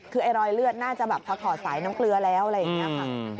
คือไอ้รอยเลือดน่าจะแบบพอถอดสายน้ำเกลือแล้วอะไรอย่างนี้ค่ะ